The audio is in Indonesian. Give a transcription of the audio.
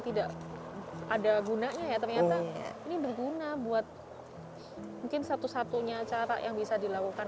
tidak ada gunanya ya ternyata ini berguna buat mungkin satu satunya cara yang bisa dilakukan